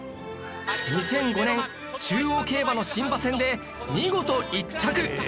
２００５年中央競馬の新馬戦で見事１着！